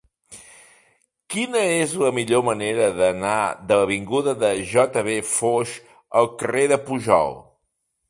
Quina és la millor manera d'anar de l'avinguda de J. V. Foix al carrer de Pujol?